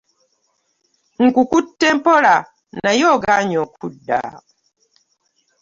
Nkukutte mpola naye ogaanyi okudda.